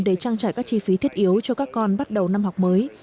để trang trải các chi phí thiết yếu cho các con bắt đầu năm học mới